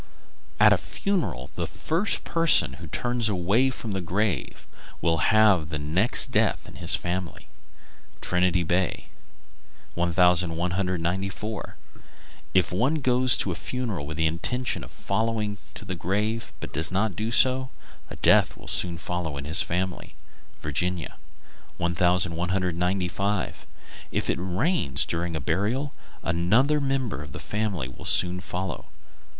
At a funeral the first person who turns away from the grave will have the next death in his family. Trinity Bay, N.F. 1194. If one goes to a funeral with the intention of following to the grave but does not do so, a death soon follows in his family. Virginia. 1195. If it rains during a burial, another member of the family will soon follow.